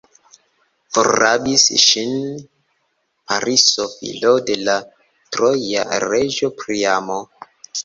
Forrabis ŝin Pariso, filo de la troja reĝo Priamo.